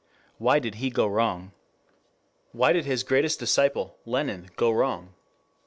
Why did he go wrong? Why did his greatest disciple, Lenin, go wrong?